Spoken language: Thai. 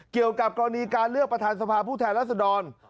เกี่ยวกับกรณีการเลือกประธานสภาผู้แทนรัศดร